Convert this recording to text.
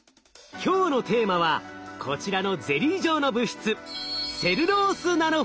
今日のテーマはこちらのゼリー状の物質